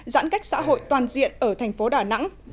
giãn cách xã hội toàn diện ở thành phố đà nẵng